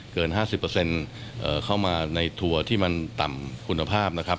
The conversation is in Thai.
เกิน๕๐เข้ามาในทัวร์ที่มันต่ำคุณภาพ